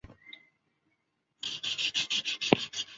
锅炉本体中两个最主要的部件是炉膛和锅筒。